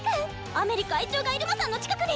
アメリ会長がイルマさんの近くに！